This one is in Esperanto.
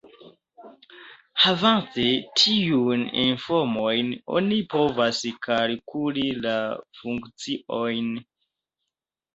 Havante tiujn informojn, oni povas kalkuli la funkciojn.